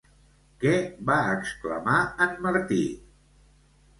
Què va exclamar en Martí?